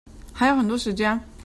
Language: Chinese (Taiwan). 還有很多時間